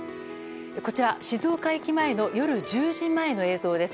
こちら、静岡駅前の夜１０時前の映像です。